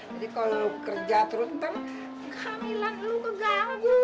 jadi kalau lu kerja terus ntar hamilan lu keganggu